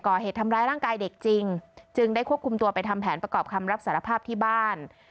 ก่อเหตุทำร้ายร่างกายเด็กจริงจึงได้ควบคุมตัวไปทำแผนประกอบคำรับสารภาพที่บ้าน